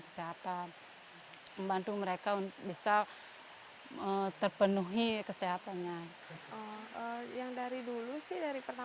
kesehatan membantu mereka untuk bisa terpenuhi kesehatannya yang dari dulu sih dari pernah